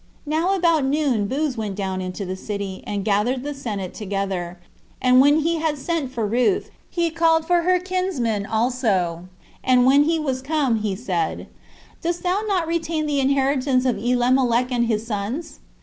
Now about noon Booz went down into the city, and gathered the senate together, and when he had sent for Ruth, he called for her kinsman also; and when he was come, he said, "Dost not thou retain the inheritance of Elimelech and his sons?"